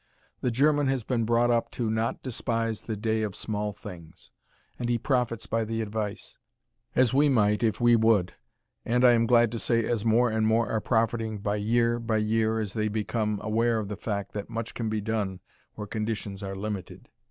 The German has been brought up to not "despise the day of small things," and he profits by the advice. As we might, if we would, and, I am glad to say, as more and more are profiting by year by year as they become aware of the fact that much can be done where conditions are limited.